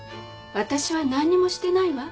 私は何にもしてないわ。